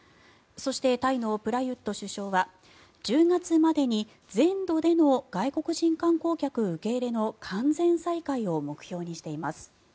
そして、タイのプラユット首相は１０月までに全土での外国人観光客受け入れの完全再開を目標にしています。